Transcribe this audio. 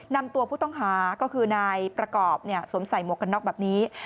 นำตัวผู้ต้องหาก็คือนายประกอบสวมใส่หมวกกันน็อกแบบนี้